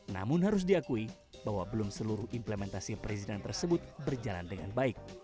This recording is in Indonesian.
namun harus diakui bahwa belum seluruh implementasi perizinan tersebut berjalan dengan baik